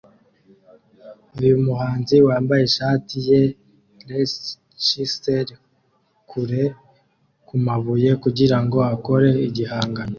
Uyu muhanzi wambaye ishati ya res chisels kure kumabuye kugirango akore igihangano